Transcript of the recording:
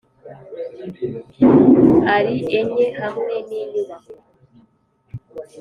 Ari Enye Hamwe N Inyubako